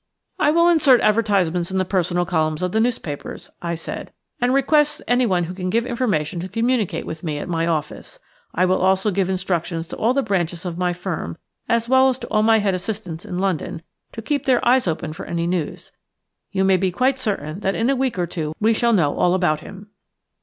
"I will insert advertisements in the personal columns of the newspapers," I said, "and request anyone who can give information to communicate with me at my office. I will also give instructions to all the branches of my firm, as well as to my head assistants in London, to keep their eyes open for any news. You may be quite certain that in a week or two we shall know all about him."